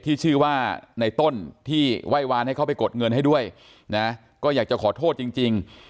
ที่ชื่อว่าในต้นที่ไหว้วานให้เขาไปกดเงินให้ด้วยนะก็อยากจะขอโทษจริง